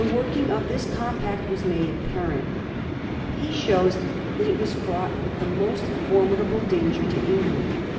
working of this compact was made apparent. He shows that it was fraught with the most formidable danger to England.